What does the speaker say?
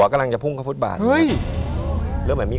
อันนี้๑